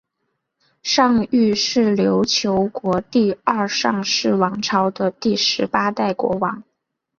尚育是琉球国第二尚氏王朝的第十八代国王。